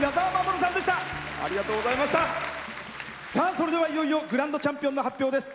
それでは、いよいよグランドチャンピオンの発表です。